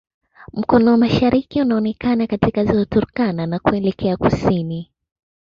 Mkono wa mashariki unaonekana katika Ziwa Turkana na kuelekea kusini.